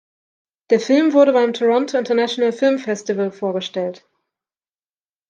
Der Film wurde beim Toronto International Film Festival vorgestellt.